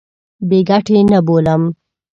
بې ګټې نه بولم.